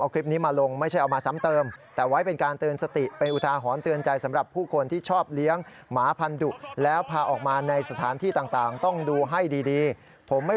ก็จะช่วยเขาเฉยนะครับ